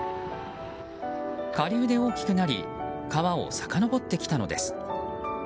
下流で大きくなり川をさかのぼってきたのです。